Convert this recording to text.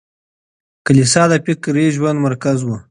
کليسا د فکري ژوند مرکز و.